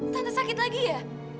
tante sakit lagi ya